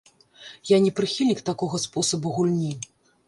Я не прыхільнік такога спосабу гульні.